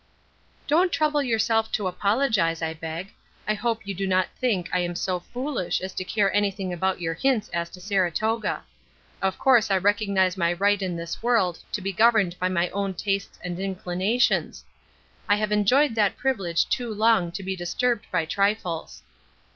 "Don't trouble yourself to apologize, I beg. I hope you do not think I am so foolish as to care anything about your hints as to Saratoga. Of course I recognize my right in this world to be governed by my own tastes and inclinations. I have enjoyed that privilege too long to be disturbed by trifles."